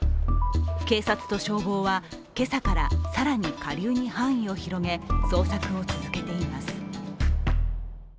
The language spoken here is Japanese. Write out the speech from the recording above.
警察と消防は今朝から更に下流に範囲を広げ捜索を続けています。